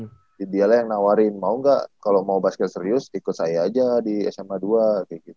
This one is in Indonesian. jadi dia lah yang nawarin mau gak kalo mau basket serius ikut saya aja di sma dua kayak gitu